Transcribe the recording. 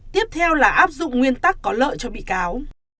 tiếp theo là áp dụng nguyên tắc có lợi cho bị cáo